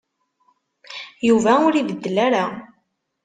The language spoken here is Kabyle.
Yuba ur ibeddel ara.